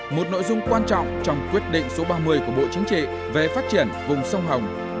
một nội dung quan trọng trong quyết định số ba mươi của bộ chính trị về phát triển vùng sông hồng